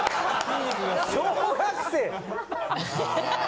・小学生！